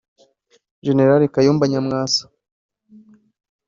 Jenerali Kayumba Nyamwasa